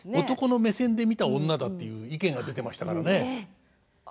「男の目線で見た女だ」っていう意見が出てましたからね。